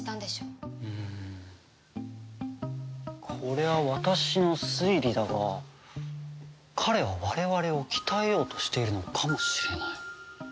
これは私の推理だが彼は我々を鍛えようとしているのかもしれない。